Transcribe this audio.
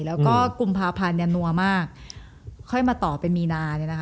และกาลกุมภาพันธุ์แน่นอกมากค่อยมาต่อเป็นมีนาน